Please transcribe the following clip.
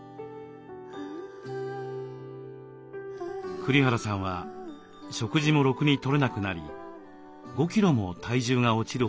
栗原さんは食事もろくに取れなくなり５キロも体重が落ちるほど憔悴。